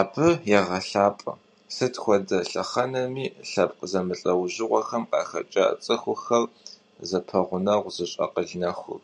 Абы егъэлъапӀэ сыт хуэдэ лъэхъэнэми лъэпкъ зэмылӀэужьыгъуэхэм къахэкӀа цӀыхухэр зэпэгъунэгъу зыщӀ акъыл нэхур.